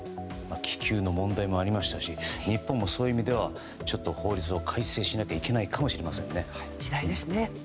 気球の問題もありましたし日本もそういう意味ではちょっと法律を改正しなきゃいけないかもしれません。